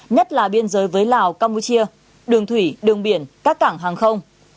nhất là biên giới với lào campuchia đường thủy đường biển các cảng hàng không